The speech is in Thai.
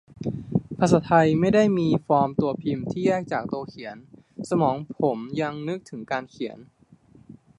ภาษาไทยไม่ได้มีฟอร์มตัวพิมพ์ที่แยกจากตัวเขียน สมองผมยังนึกถึงการเขียน